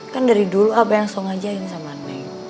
kan dari dulu abah yang selalu ngajarin sama neng